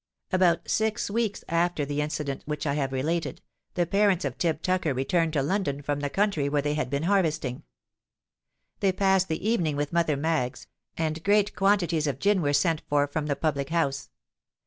"About six weeks after the incident which I have related, the parents of Tib Tucker returned to London from the country where they had been harvesting. They passed the evening with Mother Maggs, and great quantities of gin were sent for from the public house.